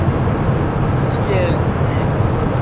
Kiel ne?